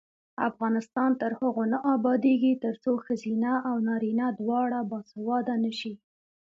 افغانستان تر هغو نه ابادیږي، ترڅو ښځینه او نارینه دواړه باسواده نشي.